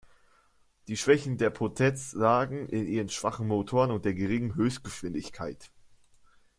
Die Schwächen der Potez lagen in ihren schwachen Motoren und der geringen Höchstgeschwindigkeit.